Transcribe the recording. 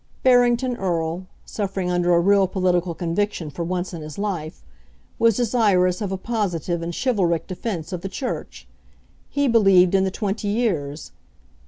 Barrington Erle, suffering under a real political conviction for once in his life, was desirous of a positive and chivalric defence of the Church. He believed in the twenty years.